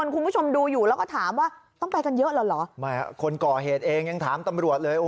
เรียกออกมาเรียกออกมาอยู่เฉยเรียกออกมาอยู่เฉย